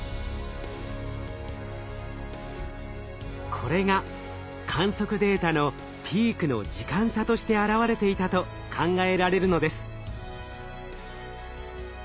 これが観測データのピークの時間差として現れていたと考えられるのです。